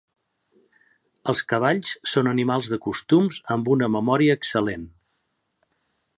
Els cavalls són animals de costums amb una memòria excel·lent.